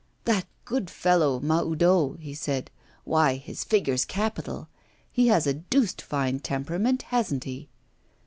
'That good fellow Mahoudeau!' he said, 'why his figure's capital! He has a deuced fine temperament, hasn't he?